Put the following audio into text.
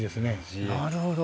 なるほど。